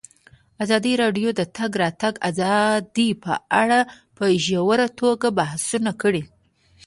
ازادي راډیو د د تګ راتګ ازادي په اړه په ژوره توګه بحثونه کړي.